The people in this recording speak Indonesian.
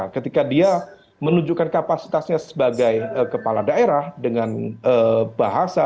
ketika dia menunjukkan kapasitasnya sebagai kepala daerah dengan bahasa